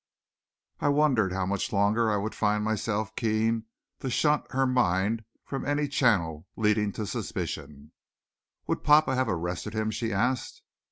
I wondered how much longer I would find myself keen to shunt her mind from any channel leading to suspicion. "Would papa have arrested him?" she asked.